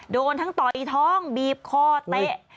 โดนทั้งต่อยท้องบีบคอเตะ